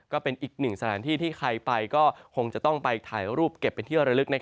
ก็เป็นอีกหนึ่งสถานที่ที่ใครไปก็คงจะต้องไปถ่ายรูปเก็บเป็นเที่ยวระลึก